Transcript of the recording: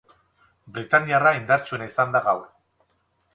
Britaniarra indartsuena izan da gaur.